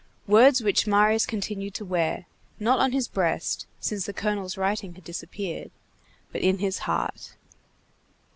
Words which Marius continued to wear, not on his breast, since the colonel's writing had disappeared, but in his heart.